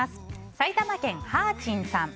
埼玉県の方。